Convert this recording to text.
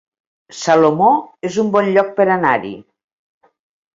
Salomó es un bon lloc per anar-hi